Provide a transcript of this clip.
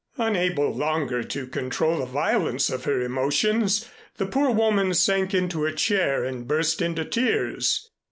Unable longer to control the violence of her emotions, the poor woman sank into a chair and burst into tears.